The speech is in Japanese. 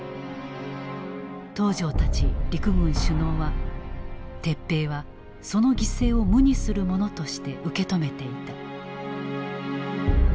東條たち陸軍首脳は撤兵はその犠牲を無にするものとして受け止めていた。